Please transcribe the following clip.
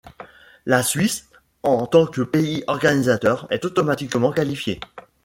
La Suisse, en tant que pays organisateur, est automatiquement qualifiée.